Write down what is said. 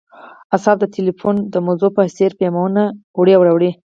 اعصاب د ټیلیفون د مزو په څیر پیامونه وړي او راوړي